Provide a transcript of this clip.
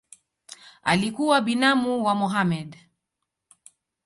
Alikuwa binamu wa Mohamed.